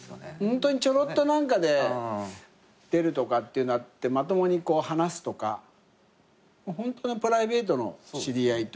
ホントにちょろっと何かで出るとかっていうのはあってまともにこう話すとかホントのプライベートの知り合いというか。